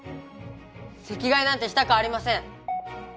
席替えなんてしたくありません！